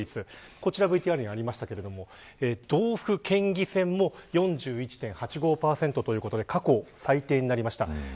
こちらＶＴＲにありましたが道府県議選も４１．８５％ということで過去最低です。